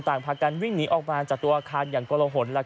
พากันวิ่งหนีออกมาจากตัวอาคารอย่างกลหน